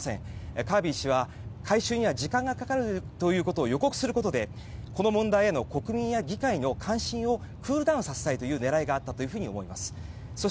カービー氏は回収には時間がかかることを予告することでこの問題への国民や議会の関心をクールダウンさせたい狙いがあったと思われます。